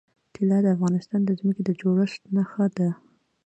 طلا د افغانستان د ځمکې د جوړښت نښه ده.